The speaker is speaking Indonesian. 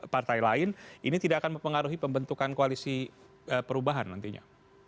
partai lain ini tidak akan mempengaruhi pembentukan koalisi perubahan nantinya